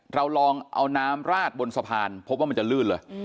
เราลองเอาน้ำราดบนสะพานพบว่ามันจะลื่นเลย